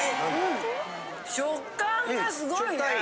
食感がすごいね！